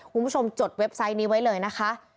คุณผู้ชมจดเว็บไซต์นี้ไว้เลยนะคะ